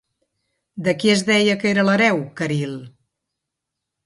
De qui es deia que era l'hereu Caril·le?